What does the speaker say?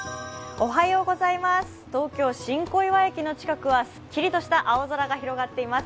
東京・新小岩駅の近くはすっきりとした青空が広がっています。